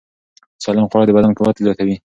سالم خواړه د بدن قوت زیاتوي.